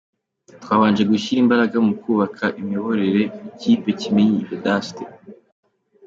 Twabanje gushyira imbaraga mu kubaka imiyoborere y’ikipe-Kimenyi Vedaste.